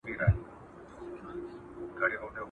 کډوالي د ناامنۍ له امله زياته شوه.